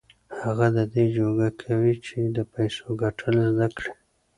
هغه د دې جوګه کوي چې د پيسو ګټل زده کړي.